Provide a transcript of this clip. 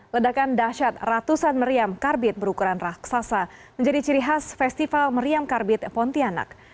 ledakan dahsyat ratusan meriam karbit berukuran raksasa menjadi ciri khas festival meriam karbit pontianak